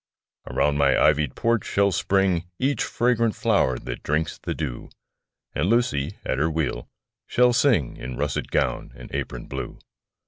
Around my ivy'd porch shall spring Each fragrant flower that drinks the dew; And Lucy, at her wheel, shall sing In russet gown and apron blue.